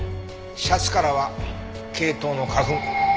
シャツからはケイトウの花粉。